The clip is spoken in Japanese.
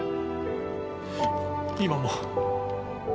今も。